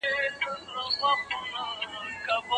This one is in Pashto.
نه سی اخیستلای